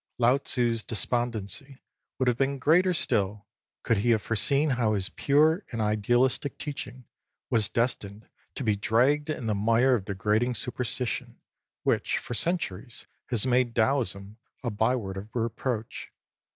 Lao Tzu's despondency would have been greater still, could he have foreseen how his pure and idealistic teaching was destined to be dragged in the mire of degrading superstition, which for centuries has made Taoism a byword of reproach.